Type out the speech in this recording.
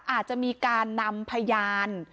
อาจจะมีการนำพยาน